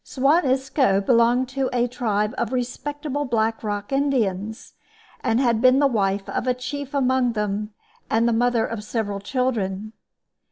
Suan Isco belonged to a tribe of respectable Black Rock Indians, and had been the wife of a chief among them, and the mother of several children.